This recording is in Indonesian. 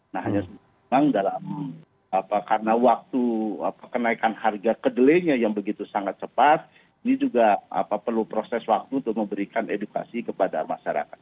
nah hanya memang karena waktu kenaikan harga kedelainya yang begitu sangat cepat ini juga perlu proses waktu untuk memberikan edukasi kepada masyarakat